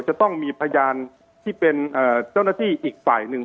จะต้องมีพยานที่เป็นเจ้าหน้าที่อีกฝ่ายหนึ่ง